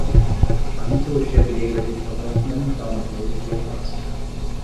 A mitologia grega teve papel fundamental na filosofia clássica